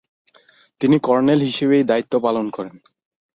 তিনি কর্ণেল হিসেবেই দায়িত্ব পালন করেন।